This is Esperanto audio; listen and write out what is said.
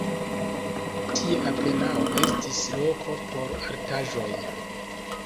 Tie apenaŭ estis loko por artaĵoj.